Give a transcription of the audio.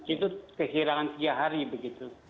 itu kehilangan setiap hari begitu